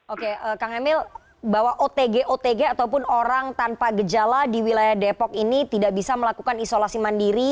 oke kang emil bahwa otg otg ataupun orang tanpa gejala di wilayah depok ini tidak bisa melakukan isolasi mandiri